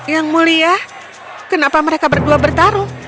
yang mulia kenapa mereka berdua bertarung